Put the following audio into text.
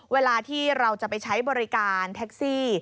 เวลาที่เราจะไปใช้บริการแท็กซี่